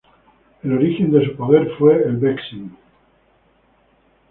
El origen de su poder fue el Vexin.